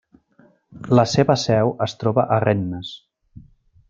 La seva seu es troba a Rennes.